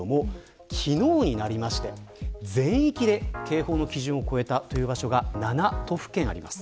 昨日になって全域で警報の基準を超えたという場所が７都府県あります。